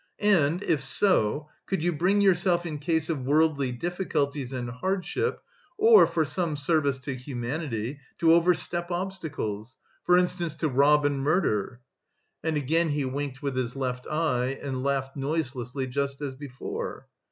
"And, if so, could you bring yourself in case of worldly difficulties and hardship or for some service to humanity to overstep obstacles?... For instance, to rob and murder?" And again he winked with his left eye, and laughed noiselessly just as before.